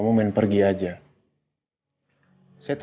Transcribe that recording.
pend ee so permain masa itu